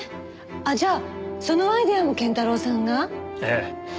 あっじゃあそのアイデアも謙太郎さんが？ええ。